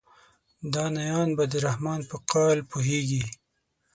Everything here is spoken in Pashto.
دانایان به د رحمان په قال پوهیږي.